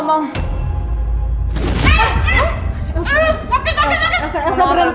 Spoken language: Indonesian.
jangan sembarangan ya kalau ngomong